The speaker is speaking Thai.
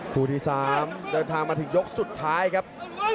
คู่ที่๓เดินทางมาถึงยกสุดท้ายครับ